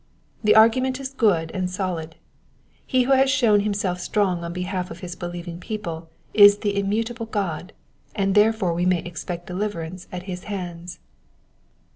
The argument is ^ood and solid : he who has shown himself strong on behalf of his believing people is the immutable God, and there fore we may expect deliverance at his hands.